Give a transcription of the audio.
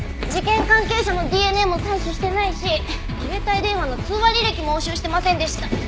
事件関係者のＤＮＡも採取してないし携帯電話の通話履歴も押収してませんでした。